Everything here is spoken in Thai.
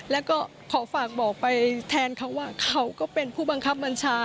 แล้วก็ขอฝากบอกไปแทนเขาว่าเขาก็เป็นผู้บังคับบัญชา